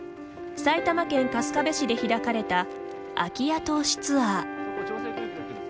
埼玉県春日部市で開かれた空き家投資ツアー。